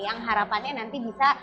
yang harapannya nanti dibuat